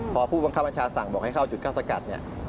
พอผู้บังคับบัญชาสั่งบอกให้เข้าจุดเข้าสกัดเนี่ย